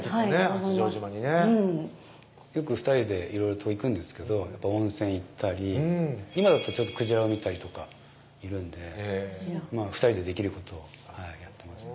八丈島にねよく２人でいろいろと行くんですけど温泉行ったり今だとクジラを見たりとかいるんで２人でできることをやってますね